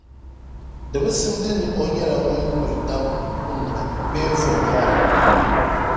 di bi simdi ni o nyɛla ŋun nyuri dam kuuna bee vubɔra.